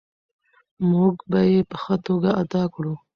موږ به یې په ښه توګه ادا کړو.